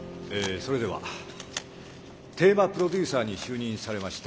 それではテーマプロデューサーに就任されました